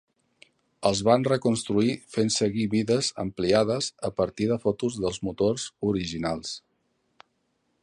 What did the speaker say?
Els van reconstruir fent seguir mides ampliades a partir de fotos dels motors originals.